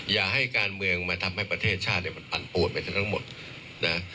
อย่าให้การเมืองมาทำให้ประเทศชาติเนี่ยมันปันปวดไปทั้งหมดนะ